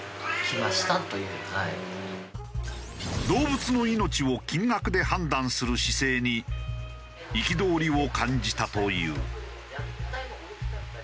動物の命を金額で判断する姿勢に憤りを感じたという。